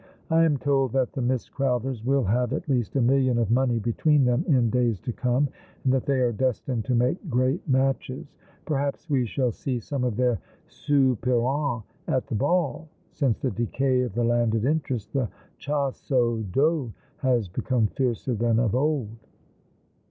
I am told that the Miss Growth ers will have, at least, a million of money between them in days to come, and that they are destined to make great matches. Perhaps we shall see some of their soupirants at the ball. Since the decay of the landed interest, the chasse aux dots has become fiercer than of old."